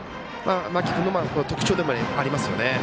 間木君の特徴でもありますね。